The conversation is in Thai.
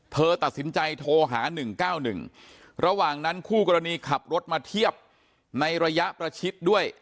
เธอตัดสินใจโทรหา๑๙๑ระหว่างนั้นคู่กรณีขับรถมาเทียบในระยะประชิดด้วย